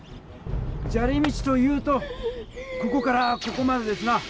じゃり道というとここからここまでですな。